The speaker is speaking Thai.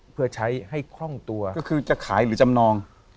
เพื่อใช้ให้คล่องตัวก็คือจะขายหรือจำนอง